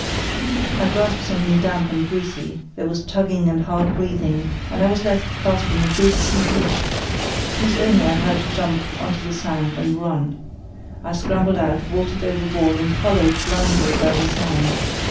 I grasped something damp and greasy, there was tugging and hard breathing, and I was left clasping a big sea boot, whose owner I heard jump on to the sand and run. I scrambled out, vaulted overboard, and followed blindly by the sound.